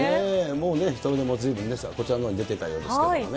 もうね、人もずいぶん、こちらのほうに出てたようですけどね。